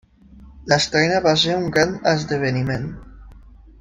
L'estrena va ser un gran esdeveniment.